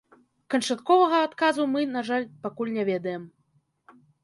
Канчатковага адказу мы, на жаль, пакуль не ведаем.